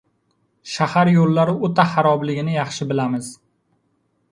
Shahar yoʻllari oʻta xarobligini yaxshi bilamiz.